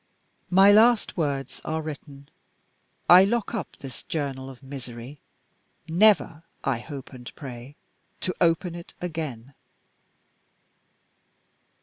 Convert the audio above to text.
My last words are written. I lock up this journal of misery never, I hope and pray, to open it again.